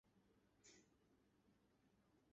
এবং নালিশ করিয়াও তো কোনো ফল নাই, কেবল অর্থ নষ্ট।